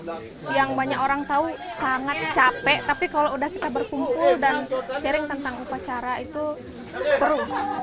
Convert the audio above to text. yang banyak orang tahu sangat capek tapi kalau udah kita berkumpul dan sharing tentang upacara itu seru